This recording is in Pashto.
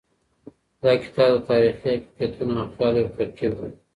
دا کتاب د تاریخي حقیقتونو او خیال یو ترکیب دی.